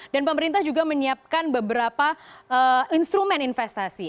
dan pemerintah juga menyiapkan beberapa instrumen investasi